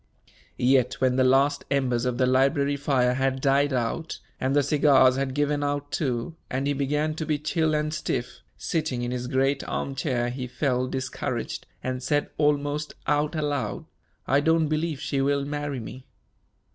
Yet, when the last embers of the library fire had died out, and the cigars had given out too, and he began to be chill and stiff, sitting in his great arm chair, he felt discouraged, and said almost out aloud, "I don't believe she will marry me."